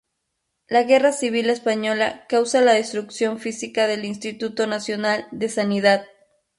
La Guerra Civil Española causa la destrucción física del Instituto Nacional de Sanidad.